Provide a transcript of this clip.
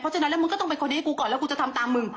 ฉะนั้นแล้วมึงก็ต้องเป็นคนดีให้กูก่อนแล้วกูจะทำตามมึง